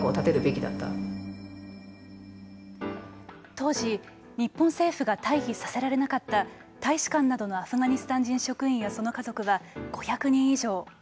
当時日本政府が退避させられなかった大使館などのアフガニスタン人職員やその家族は５００人以上。